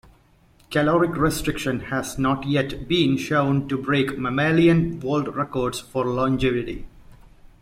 Caloric restriction has not yet been shown to break mammalian world records for longevity.